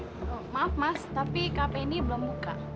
oh maaf mas tapi kp ini belum buka